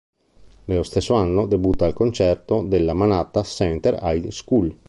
Nello stesso anno, debutta al concerto della Manhattan Center High School.